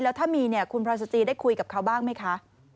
แล้วถ้ามีเนี่ยคุณพลอยสจีได้คุยกับเขาบ้างไหมคะ